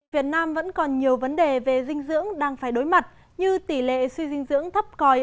việt nam vẫn còn nhiều vấn đề về dinh dưỡng đang phải đối mặt như tỷ lệ suy dinh dưỡng thấp còi